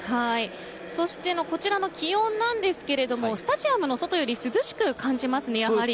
そして、こちらの気温なんですけれどもスタジアムの外より涼しく感じますね、やはり。